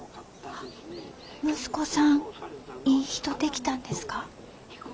あ息子さんいい人できたんですか？